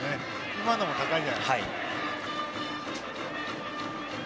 今のも高いんじゃないですか。